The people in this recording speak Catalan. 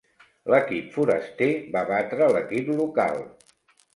L'equip foraster va batre l'equip local.